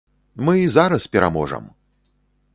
Мы і зараз пераможам!